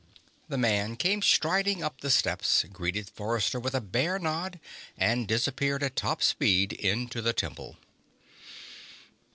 The man came striding up the steps, greeted Forrester with a bare nod, and disappeared at top speed into the Temple.